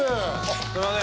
すいません